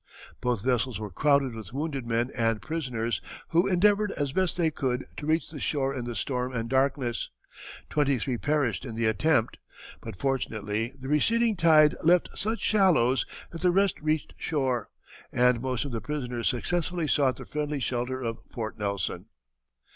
Both vessels were crowded with wounded men and prisoners, who endeavored as best they could to reach the shore in the storm and darkness. Twenty three perished in the attempt, but fortunately the receding tide left such shallows that the rest reached shore, and most of the prisoners successfully sought the friendly shelter of Fort Nelson.